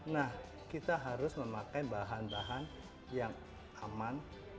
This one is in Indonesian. nah kita harus memakai bahan bahan yang aman